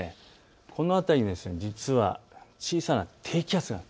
この辺り実は小さな低気圧が。